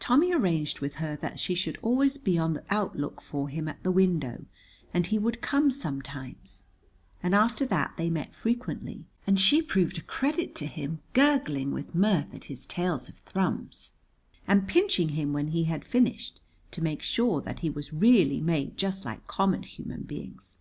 Tommy arranged with her that she should always be on the outlook for him at the window, and he would come sometimes, and after that they met frequently, and she proved a credit to him, gurgling with mirth at his tales of Thrums, and pinching him when he had finished, to make sure that he was really made just like common human beings.